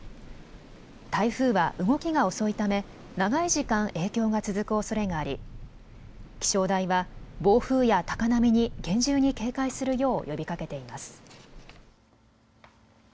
台風は動きが遅いため長い時間影響が続くおそれがあり気象台は暴風や高波に厳重に警戒するよう呼びかけています。